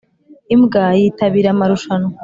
imbwa yitabira amarushanwa